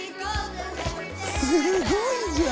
すごいじゃん！